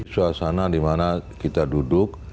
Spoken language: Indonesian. suasana di mana kita duduk